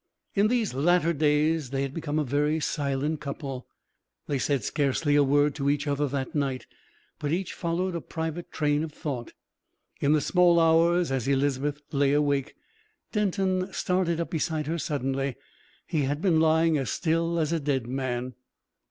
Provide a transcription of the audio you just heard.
In these latter days they had become a very silent couple; they said scarcely a word to each other that night, but each followed a private train of thought. In the small hours, as Elizabeth lay awake, Denton started up beside her suddenly he had been lying as still as a dead man.